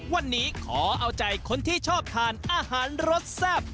วันนี้ขอเอาใจคนที่ชอบทานอาหารรสแซ่บ